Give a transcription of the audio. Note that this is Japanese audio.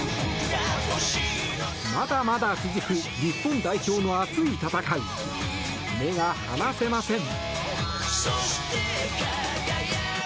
まだまだ続く日本代表の熱い戦い目が離せません！